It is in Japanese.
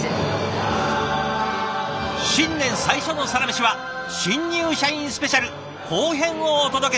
新年最初の「サラメシ」は「新入社員スペシャル」後編をお届けします。